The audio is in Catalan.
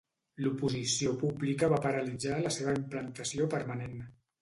L'oposició pública va paralitzar la seva implantació permanent.